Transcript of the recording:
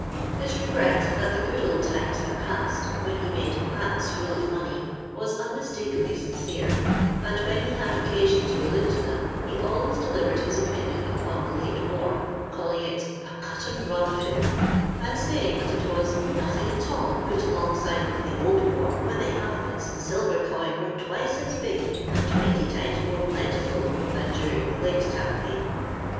His regret that tlie good old times had passed, when he made " hats ftall of money," was un mistakably sincere ; and when ho had occasion to allude to them, he alwap deHvered his opinion upon the late war, calling it a cut and run affair,' and saying that it was nothing at all put alongside with the old war, when the halfpence and silver coin were twice as big and twenty times more plentiful" than during the late campaign.